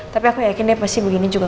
tapi aku yakin dia pasti begini juga